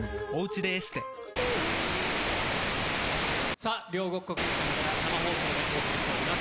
さあ、両国・国技館から生放送でお送りしております。